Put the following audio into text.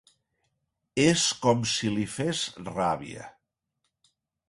És com si li fes ràbia.